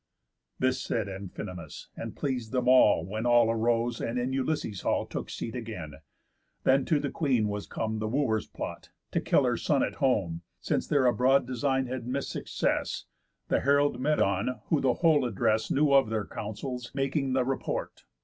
This said Amphinomus, and pleas'd them all When all arose, and in Ulysses' hall Took seat again. Then to the queen was come The Wooers' plot, to kill her son at home, Since their abroad design had miss'd success, The herald Medon (who the whole address Knew of their counsels) making the report.